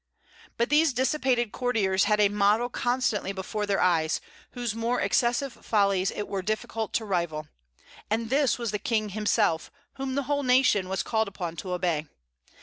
But these dissipated courtiers had a model constantly before their eyes, whose more excessive follies it were difficult to rival; and this was the King himself, whom the whole nation was called upon to obey.